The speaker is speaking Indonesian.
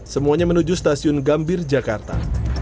semuanya menuju stasiun gambir jakarta